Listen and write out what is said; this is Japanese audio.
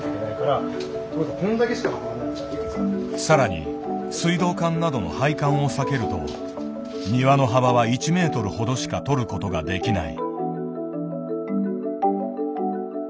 更に水道管などの配管を避けると庭の幅は１ｍほどしか取ることができない。